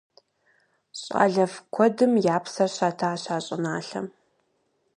ЩӀалэфӀ куэдым я псэр щатащ а щӀыналъэм.